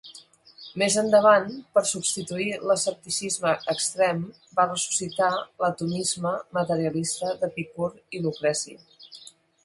Més endavant, per substituir l'escepticisme extrem, va ressuscitar l'atomisme materialista d'Epicur i Lucreci.